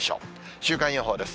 週間予報です。